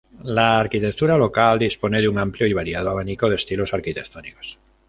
La arquitectura local dispone de un amplio y variado abanico de estilos arquitectónicos.